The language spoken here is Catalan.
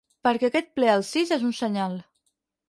Perquè aquest ple al sis és un senyal.